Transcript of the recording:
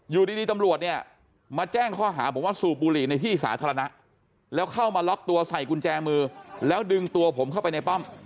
อยู่ดีตำรวจเนี่ยมาแจ้งข้อหาบอกว่าสูบบุหรี่ในที่สาธารณะแล้วเข้ามาล็อกตัวใส่กุญแจมือแล้วดึงตัวผมเข้าไปในป้อม